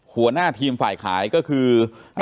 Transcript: หัวหน้าทีมฝ่ายขายก็คือ